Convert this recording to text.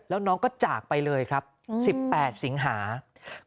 แล้วน้องก็จากไปเลยครับ๑๘สิงหาคม